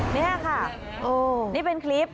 นี่ค่ะนี่เป็นคลิป